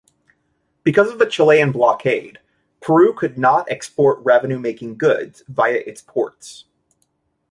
Because of the Chilean blockade, Peru could not export revenue-making goods via its ports.